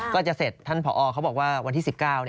ก็จะเสร็จท่านผอเขาบอกว่าวันที่๑๙